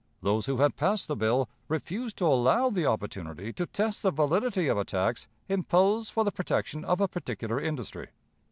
Those who had passed the bill refused to allow the opportunity to test the validity of a tax imposed for the protection of a particular industry.